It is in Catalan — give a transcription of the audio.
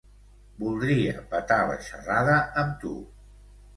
Voldria petar la xerrada amb tu.